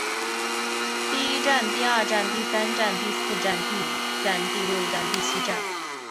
第一战第二战第三战第四战第五战第六战第七战